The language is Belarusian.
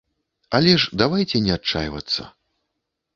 Але ж давайце не адчайвацца.